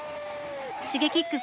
Ｓｈｉｇｅｋｉｘ